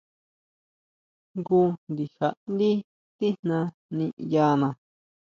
Jngu ndija ndí tijna niʼyana.